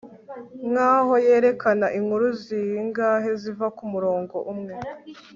nkaho yerekana inkuru zingahe ziva kumurongo umwe